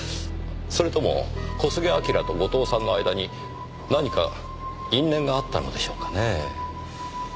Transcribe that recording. それとも小菅彬と後藤さんの間に何か因縁があったのでしょうかねぇ。